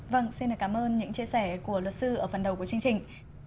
vâng xin cảm ơn những chia sẻ của luật sư ở phần đầu của chương trình